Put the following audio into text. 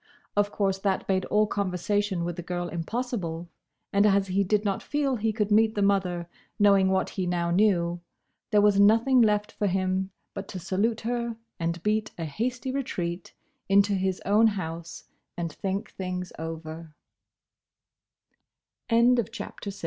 Of course that made all conversation with the girl impossible, and as he did not feel he could meet the mother, knowing what he now knew, there was nothing left for him but to salute her and beat a hasty retreat into his own house and think thing